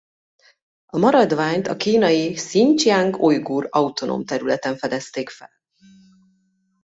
A maradványt a kínai Hszincsiang-Ujgur Autonóm Területen fedezték fel.